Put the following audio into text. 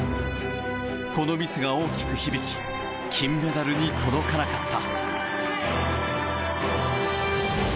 このミスが大きく響き金メダルに届かなかった。